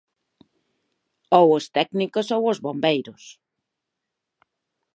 Ou os técnicos ou os bombeiros.